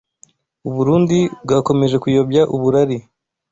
U Burundi bwakomeje kuyobya uburari